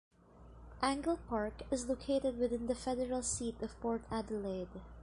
Angle Park is located within the federal seat of Port Adelaide.